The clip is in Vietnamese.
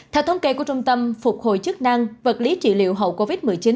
theo thống kê của trung tâm phục hồi chức năng vật lý trị liệu hậu covid một mươi chín